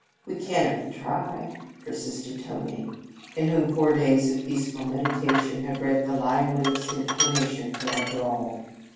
" We can, if we try," persisted Tony, in whom four days of peaceful meditation had bred the liveliest inclination for a brawl.